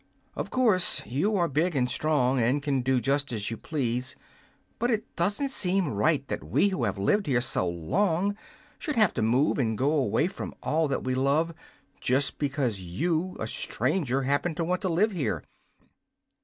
Of course you are big and strong and can do just as you please, but it doesn't seem right that we who have lived here so long should have to move and go away from all that we love so just because you, a stranger, happen to want to live here.